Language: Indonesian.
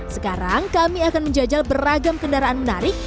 sekarang kami akan menjajal beragam kendaraan menarik